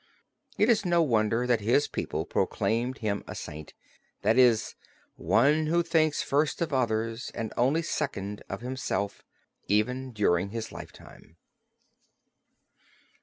It is no wonder that his people proclaimed him a saint, that is "one who thinks first of others and only second of himself," even during his lifetime.